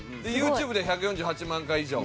でＹｏｕＴｕｂｅで１４８万回以上。